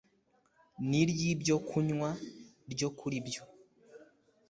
N iry ibyokunywa ryo kuri byo